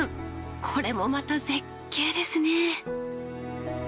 これもまた絶景ですね。